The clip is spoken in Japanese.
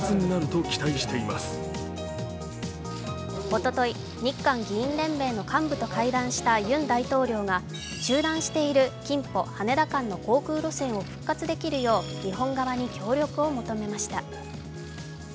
おととい、日韓議員連盟の幹部と会談したユン大統領が中団しているキンポ−羽田の航空路線を復活できるよう日本側に協力を求めました。